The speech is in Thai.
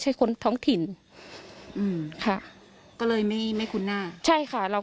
อันนี้ก็คือกินแต่ว่าข้าวพรรษา